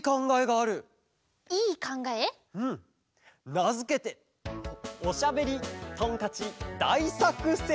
なづけて「おしゃべりトンカチだいさくせん」！